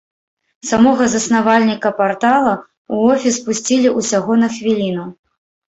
Самога заснавальніка партала ў офіс пусцілі ўсяго на хвіліну.